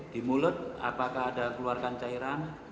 di mulut apakah ada keluarkan cairan